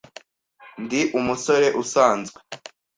Ndi umusore usanzwe.